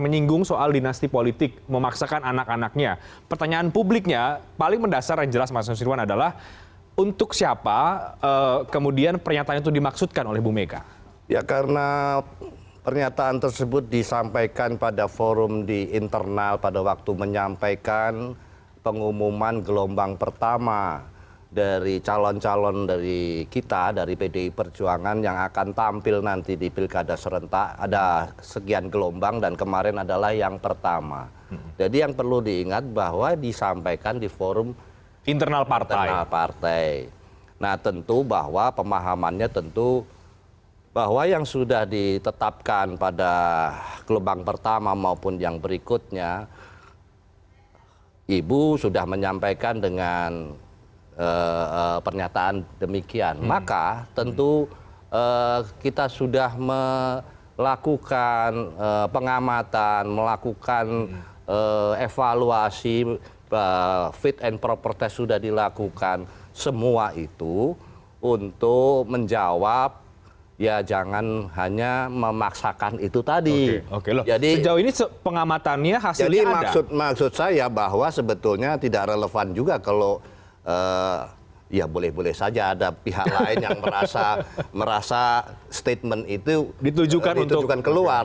juga kalau ya boleh boleh saja ada pihak lain yang merasa statement itu ditujukan keluar